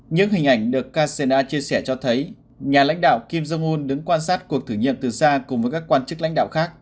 những hình ảnh được kcna chia sẻ cho thấy nhà lãnh đạo kim jong un đứng quan sát cuộc thử nghiệm từ xa cùng với các quan chức lãnh đạo khác